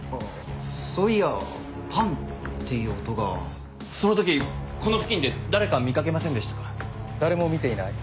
そういやパンっていう音がその時この付近で誰か見掛けませんで誰も見ていない